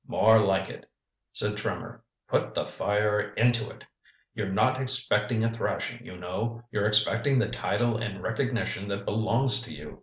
"More like it," said Trimmer. "Put the fire into it. You're not expecting a thrashing, you know. You're expecting the title and recognition that belongs to you.